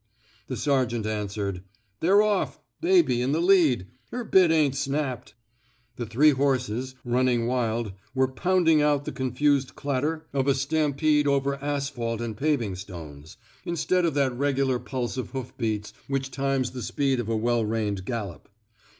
The sergeant answered: They're off. * Baby ' in the lead. Her bit ain't snapped." The three horses, running wild, were pounding out the confused clatter of a stam 138 IN THE NATUEE OF A HEEO pede over asphalt and paving stones, instead of that regular pulse of hoof beats which times the speed of a well reined gallop.